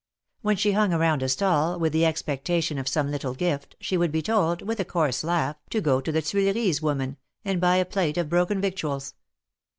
When she hung around a stall, with the expectation of some little gift, she would be told, with a coarse laugh, to go to the Tuileries' woman, and buy a plate of broken victuals.